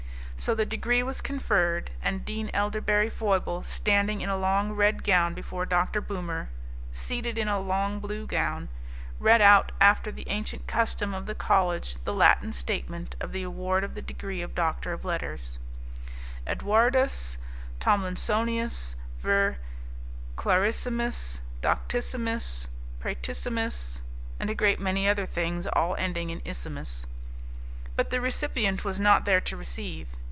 So the degree was conferred. And Dean Elderberry Foible, standing in a long red gown before Dr. Boomer, seated in a long blue gown, read out after the ancient custom of the college the Latin statement of the award of the degree of Doctor of Letters, "Eduardus Tomlinsonius, vir clarrisimus, doctissimus, praestissimus," and a great many other things all ending in issimus. But the recipient was not there to receive.